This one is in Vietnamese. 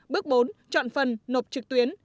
bước bốn chọn phần nộp trực tuyến